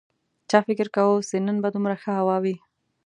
چا فکر کاوه چې نن به دومره ښه هوا وي